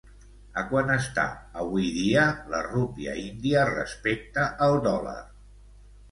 A quant està avui dia la rúpia índia respecte al dòlar?